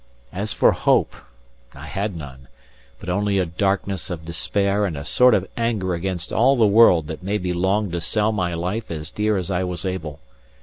As for hope, I had none; but only a darkness of despair and a sort of anger against all the world that made me long to sell my life as dear as I was able.